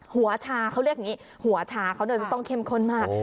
หัวชาเขาเรียกอย่างนี้หัวชาเขาจะต้องเข้มข้นมาก